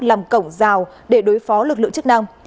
làm cổng rào để đối phó lực lượng chức năng